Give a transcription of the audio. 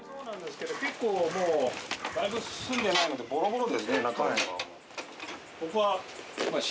結構もうだいぶ住んでないのでボロボロですね中。